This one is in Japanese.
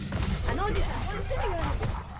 あのおじいちゃんそういう趣味があるんです。